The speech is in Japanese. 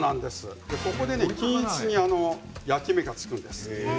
ここで均一に焼き目がつきます。